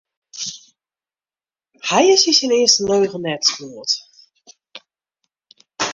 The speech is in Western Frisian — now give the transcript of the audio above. Hy is yn syn earste leagen net smoard.